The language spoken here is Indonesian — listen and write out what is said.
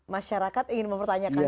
masyarakat ingin mempertanyakan